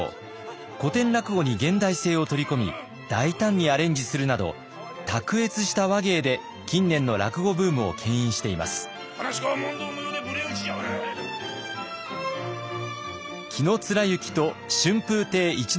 古典落語に現代性を取り込み大胆にアレンジするなど卓越した話芸で近年の紀貫之と春風亭一之輔さん。